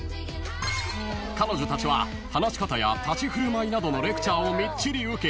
［彼女たちは話し方や立ち振る舞いなどのレクチャーをみっちり受け